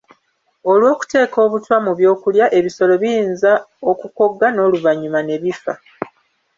Olw'okuteeka obutwa mu by'okulya, ebisolo biyinza okukogga n'oluvannyuma ne bifa.